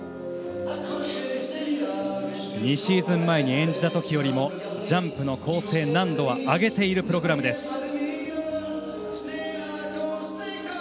２シーズン前に演じたときよりジャンプの構成、難度は上げているプログラムです。